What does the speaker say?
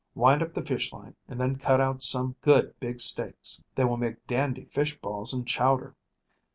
Wind up the fish line, and then cut out some good big steaks. They will make dandy fish balls and chowder.